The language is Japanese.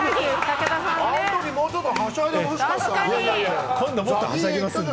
あのとき、もっとはしゃいでほしかった。